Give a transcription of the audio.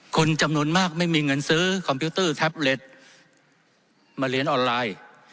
คนจำนวนมากไม่มีเงินซื้อคอมพิวเตอร์แท็บเล็ตมาเรียนออนไลน์